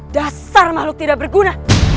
dasar makhluk tidak berguna